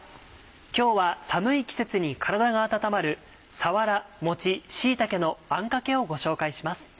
今日は寒い季節に体が温まる「さわら、もち、椎茸のあんかけ」をご紹介します。